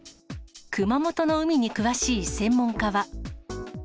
熊本の海に詳しい専門家は。